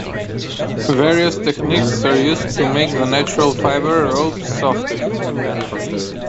Various techniques are used to make the natural fiber ropes softer.